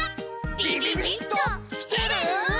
ビビビッときてる？